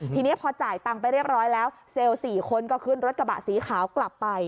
ทีนี้พอจ่ายตังค์ไปเรียบร้อยแล้วเซลล์๔คนก็ขึ้นรถกระบะสีขาวกลับไป